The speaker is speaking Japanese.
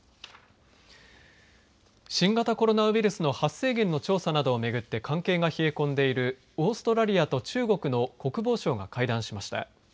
新型コロナウイルスの発生源の調査などを巡って関係が冷え込んでいるオーストラリアと中国の国防相が会談しました。